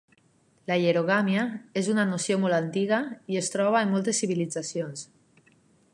La hierogàmia és una noció molt antiga i es troba en moltes civilitzacions.